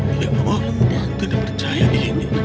tidak mau lupa untuk dipercayai